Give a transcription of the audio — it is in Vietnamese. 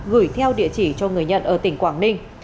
gửi theo địa chỉ cho người nhận ở tỉnh quảng ninh